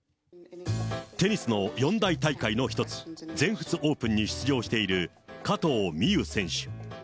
テニスの四大大会の一つ、全仏オープンに出場している加藤未唯選手。